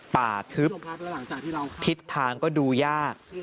ทึบทิศทางก็ดูยาก